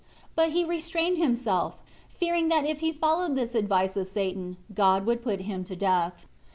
But he restrained himself, fearing that if he followed this advice of Satan, God would put him to death.